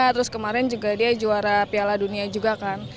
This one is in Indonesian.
terus kemarin juga dia juara piala dunia juga kan